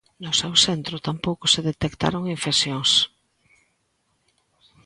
No seu centro tampouco se detectaron infeccións.